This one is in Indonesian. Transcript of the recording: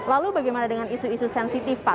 lalu bagaimana dengan isu isu sensitif pak